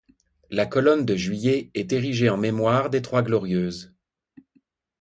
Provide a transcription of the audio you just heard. La colonne de Juillet est érigée en mémoire des Trois Glorieuses.